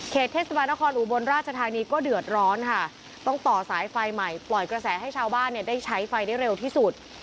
เทศบาลนครอุบลราชธานีก็เดือดร้อนค่ะต้องต่อสายไฟใหม่ปล่อยกระแสให้ชาวบ้านเนี่ยได้ใช้ไฟได้เร็วที่สุด